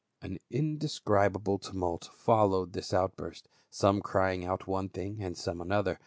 An indescribable tumult followed this outburst, some crying out one thing, and some another.